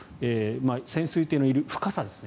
潜水艇のいる深さですね。